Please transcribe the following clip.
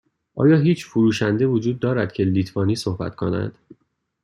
آیا هیچ فروشنده وجود دارد که لیتوانی صحبت کند؟